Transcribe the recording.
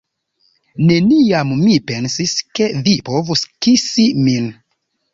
Neniam mi pensis, ke vi povus kisi min.